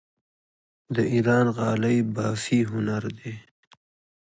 د ایران غالۍ بافي هنر دی.